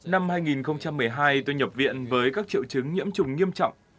năm hai nghìn một mươi hai tôi nhập viện với các triệu chứng nhiễm trùng nghiêm trọng